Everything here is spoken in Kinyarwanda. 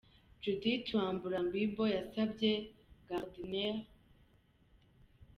Judith Wambura Mbibo yasabye Gardner G.